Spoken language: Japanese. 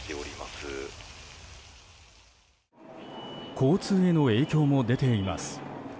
交通への影響も出ています。